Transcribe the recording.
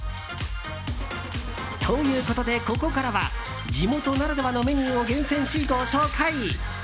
ということで、ここからは地元ならではのメニューを厳選しご紹介。